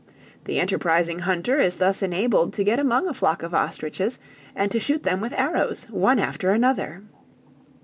The enterprising hunter is thus enabled to get among a flock of ostriches, and to shoot them with arrows one after another.